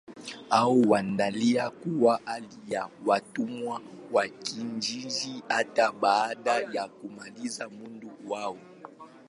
Hao waliendelea kuwa hali ya watumwa wa kijeshi hata baada ya kumaliza muda wao.